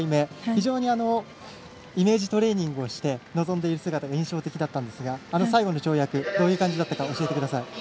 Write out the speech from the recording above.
非常にイメージトレーニングして臨んでいる姿も印象的だったんですがあの最後の跳躍どういう感じだったか教えてください。